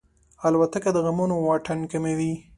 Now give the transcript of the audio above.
الوتکه د غمونو واټن کموي.